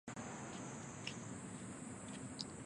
粤语为炸厘。